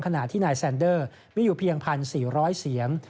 ขณะที่นายแซนเดอร์มีอยู่เพียง๑๔๐๐เสียง